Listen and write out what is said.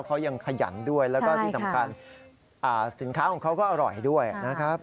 เขายังขยันด้วยแล้วก็ที่สำคัญสินค้าของเขาก็อร่อยด้วยนะครับ